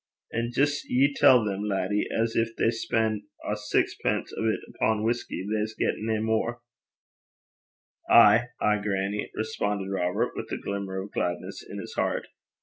And jist ye tell them, laddie, at gin they spen' ae saxpence o' 't upo' whusky, they s' get nae mair.' 'Ay, ay, grannie,' responded Robert, with a glimmer of gladness in his heart.